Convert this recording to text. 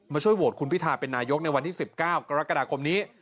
ช่วยโหวตคุณพิทาเป็นนายกในวันที่๑๙กรกฎาคมนี้